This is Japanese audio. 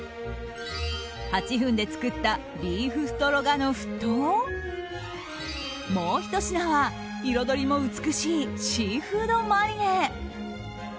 ８分で作ったビーフストロガノフともう１品は、彩りも美しいシーフードマリネ。